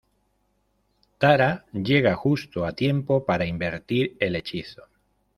Tara llega justo a tiempo para invertir el hechizo.